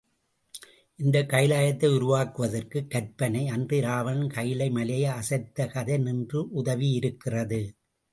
இந்தக் கைலாயத்தை உருவாக்குவதற்கு கற்பனை, அன்று இராவணன் கைலை மலையையே அசைத்த கதை நின்று உதவியிருக்கிறது.